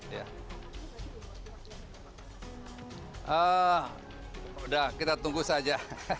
sudah kita tunggu saja